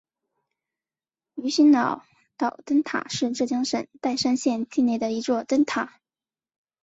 鱼腥脑岛灯塔是浙江省岱山县境内的一座灯塔。